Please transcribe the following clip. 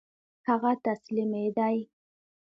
هغه تسلیمېدی.